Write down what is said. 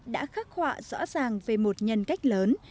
đã khắc họa rõ ràng về một nhân cách lớn